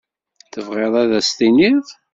Tebɣiḍ ad as-tiniḍ?